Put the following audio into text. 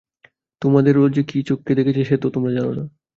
তোমাদের ও যে কী চক্ষে দেখেছে সে তো তোমরা জান না।